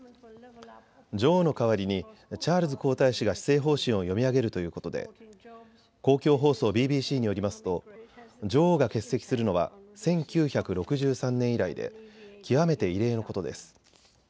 女王の代わりにチャールズ皇太子が施政方針を読み上げるということで公共放送ＢＢＣによりますと女王が欠席するのは１９６３年以来で極めて異例のことです。